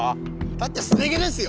だってすね毛ですよ？